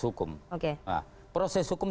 hukum proses hukum